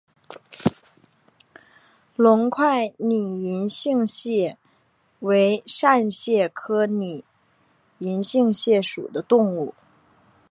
隆块拟银杏蟹为扇蟹科拟银杏蟹属的动物。